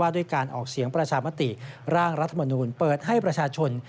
ด้วยการออกเสียงประชามติร่างรัฐมนูลเปิดให้ประชาชน